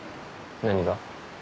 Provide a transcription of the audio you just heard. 何が？